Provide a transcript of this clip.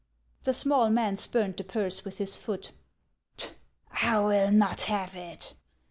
The small man spurned the purse with his foot. " I will not have it.